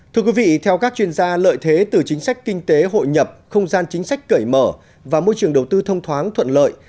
thưa quý vị theo các chuyên gia lợi thế từ chính sách kinh tế hội nhập không gian chính sách cởi mở và môi trường đầu tư thông thoáng thuận lợi